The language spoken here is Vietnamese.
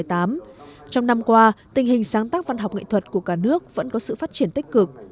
trong năm qua tình hình sáng tác văn học nghệ thuật của cả nước vẫn có sự phát triển tích cực